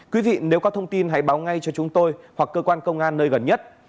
quý vị nếu có thông tin hãy báo ngay cho chúng tôi hoặc cơ quan công an nơi gần nhất